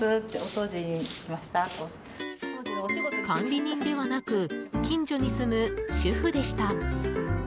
管理人ではなく近所に住む主婦でした。